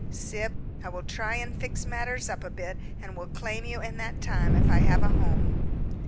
"Syb, I will try and fix matters up a bit, and will claim you in that time if I have a home."